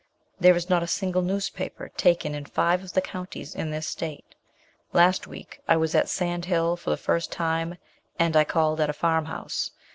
There is not a single newspaper taken in five of the counties in this state. Last week I was at Sand Hill for the first time, and I called at a farmhouse.